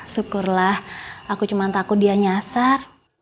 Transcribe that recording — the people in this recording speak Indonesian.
syukurlah aku cuma takut dia nyasar